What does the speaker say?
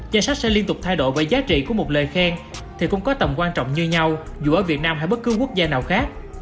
danh sách sẽ liên tục thay đổi về giá trị của một lời khen thì cũng có tầm quan trọng như nhau dù ở việt nam hay bất cứ quốc gia nào khác